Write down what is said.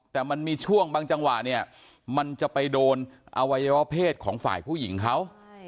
แต่มันมีช่วงบางจังหวะเนี่ยมันจะไปโดนอวัยวะเพศของฝ่ายผู้หญิงเขา